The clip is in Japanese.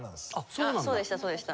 そうでしたそうでした。